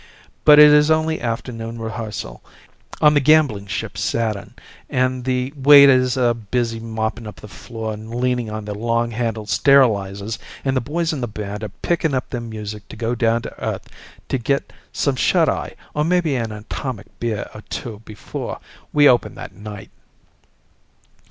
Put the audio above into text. But it is only afternoon rehearsal on the gambling ship Saturn, and the waiters are busy mopping up the floor and leaning on their long handled sterilizers, and the boys in the band are picking up their music to go down to Earth to get some shut eye or maybe an atomic beer or two before we open that night.